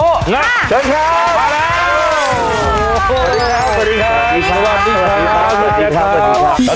สวัสดีครับสวัสดีครับ